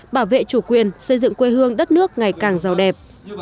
bảo vệ chủ quyền xây dựng quê hương đất nước ngày càng giàu đẹp